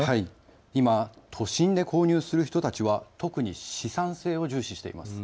今、都心で購入する人たちは特に資産性を重視しています。